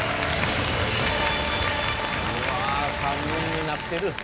うわ３人になってる。